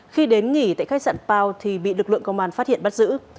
khi đến nghỉ tại khách sạn pao thì bị lực lượng công an phát hiện bắt giữ